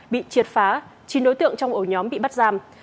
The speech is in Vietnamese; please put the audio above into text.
bị triệt phá chín đối tượng trong ổ nhóm bị bắt giam